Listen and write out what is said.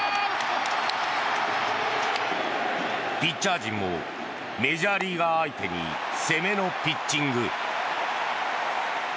ピッチャー陣もメジャーリーガー相手に攻めのピッチング。